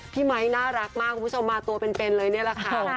พี่ไหมน่ารักมากมาตัวเป็นเลยเท่านี้ล่ะค่ะ